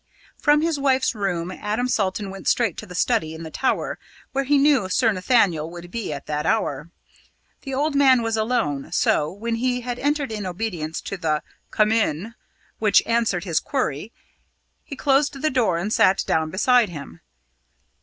From his wife's room Adam Salton went straight to the study in the tower, where he knew Sir Nathaniel would be at that hour. The old man was alone, so, when he had entered in obedience to the "Come in," which answered his query, he closed the door and sat down beside him.